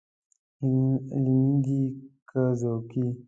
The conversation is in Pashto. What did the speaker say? علمي دی او که ذوقي.